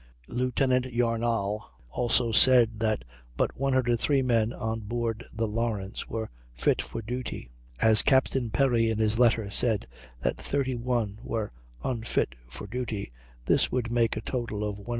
Lieutenant Yarnall also said that "but 103 men on board the Lawrence were fit for duty"; as Captain Perry in his letter said that 31 were unfit for duty, this would make a total of 134.